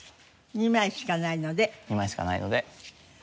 ２枚しかないので。